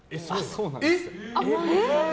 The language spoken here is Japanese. そうなんですよ。